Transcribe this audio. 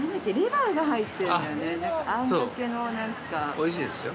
おいしいですよ。